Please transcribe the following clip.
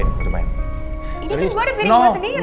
ini kan gue ada piring gue sendiri